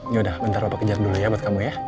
ini udah bentar bapak kejar dulu ya buat kamu ya